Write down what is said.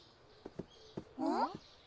うん？